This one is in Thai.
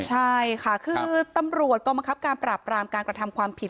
ใช่ค่ะคือตำรวจกองบังคับการปราบรามการกระทำความผิด